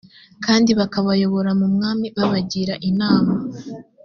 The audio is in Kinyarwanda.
kandi bakabayobora j mu mwami babagira inama